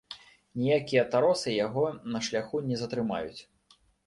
Ніякія таросы яго на шляху не затрымаюць.